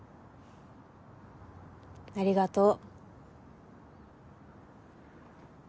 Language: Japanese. ありがとう。